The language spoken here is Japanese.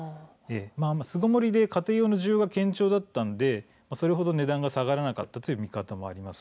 巣ごもりで家庭用の需要が堅調だったのでそれほど下がらなかったという見方もあります。